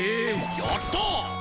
やった！